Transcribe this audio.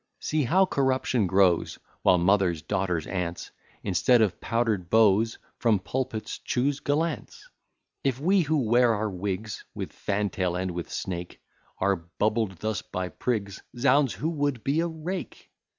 See how corruption grows, While mothers, daughters, aunts, Instead of powder'd beaux, From pulpits choose gallants. If we, who wear our wigs With fantail and with snake, Are bubbled thus by prigs; Z ds! who would be a rake?